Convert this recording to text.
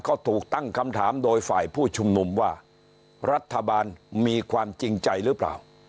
ก็ถูกตั้งคำถามโดยฝ่ายผู้ชุมนุมว่ารัฐบาลมีความจริงใจหรือเปล่า